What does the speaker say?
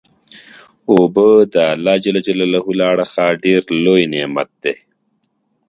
اوبه د الله له اړخه ډیر لوئ نعمت دی